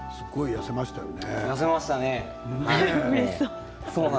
痩せましたよね。